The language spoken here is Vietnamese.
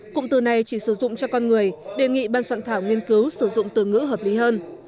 cụm từ này chỉ sử dụng cho con người đề nghị ban soạn thảo nghiên cứu sử dụng từ ngữ hợp lý hơn